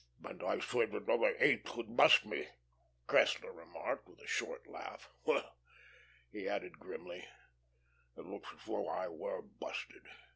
"And I said another eighth would bust me," Cressler remarked, with a short laugh. "Well," he added, grimly, "it looks as though I were busted.